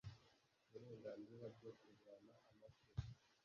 uburenganzira byo kuvana amafi